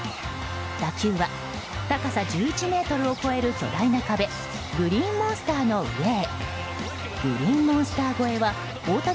打球は高さ１１ｍを超える巨大な壁グリーンモンスターの上へ。